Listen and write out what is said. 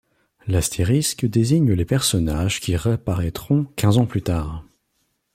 L'astérisque désigne les personnages qui reparaîtront quinze ans plus tard.